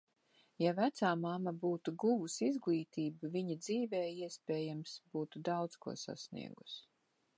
Ja vecāmamma būtu guvusi izglītību, viņa dzīvē, iespējams, būtu daudz ko sasniegusi.